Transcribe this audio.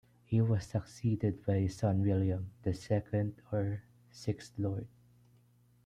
He was succeeded by his son William, the second or sixth Lord.